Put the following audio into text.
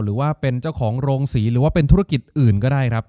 หรือว่าเป็นเจ้าของโรงศรีหรือว่าเป็นธุรกิจอื่นก็ได้ครับ